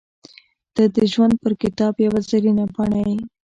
• ته د ژوند پر کتاب یوه زرینه پاڼه یې.